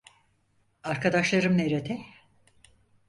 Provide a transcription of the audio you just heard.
Arkadaşlarım nerede?